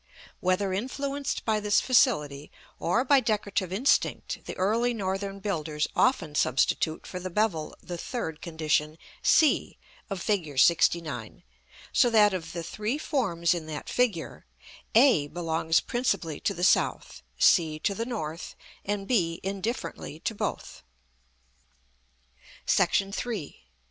Whether influenced by this facility, or by decorative instinct, the early northern builders often substitute for the bevel the third condition, c, of Fig. LXIX.; so that, of the three forms in that figure, a belongs principally to the south, c to the north, and b indifferently to both. [Illustration: Fig. LXIX.] § III.